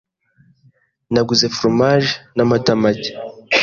Naguze foromaje n'amata make.